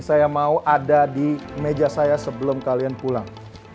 saya mau ada di meja saya sebelum kalian pulang